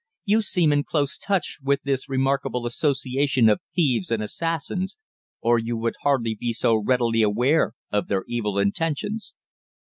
You seem in close touch with this remarkable association of thieves and assassins, or you would hardly be so readily aware of their evil intentions."